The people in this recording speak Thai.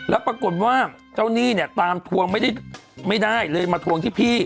แล้วปรากฏว่าเจ้าหนี้เนี่ยตามทวงไม่ได้เลยมาทวงที่พี่